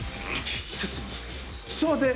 ちょっと待って。